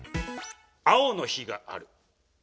「青の日がある」。